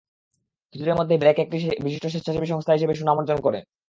কিছুদিনের মধ্যেই ব্র্যাক একটি বিশিষ্ট স্বেচ্ছাসেবী সংস্থা হিসেবে সুনাম অর্জন করে।